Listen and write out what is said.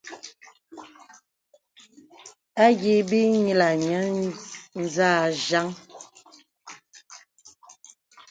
Ayi bə īī nyilaŋ nyə̄ nzâ jaŋ.